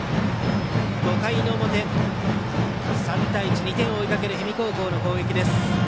５回の表、３対１２点を追いかける氷見高校の攻撃です。